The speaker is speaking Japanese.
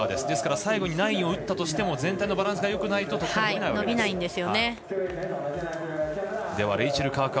ですから最後に９００を打ったとしても全体のバランスがよくないと得点が伸びないと。